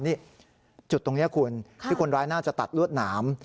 นี่จุดตรงนี้คุณที่คนร้ายน่าจะตัดลวดหนาม